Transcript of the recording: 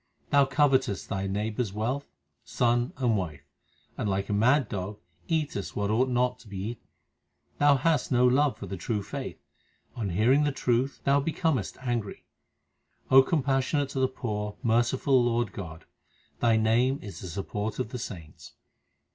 X 2 308 THE SIKH RELIGION Thou covetest thy neighbour s wealth, son, and wife, and like a mad dog eatest what ought not to be eaten. Thou hast no love for the true faith ; on hearing the truth thou becomest angry. O compassionate to the poor, merciful Lord God, Thy name is the support of the saints.